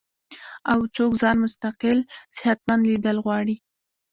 او کۀ څوک ځان مستقل صحتمند ليدل غواړي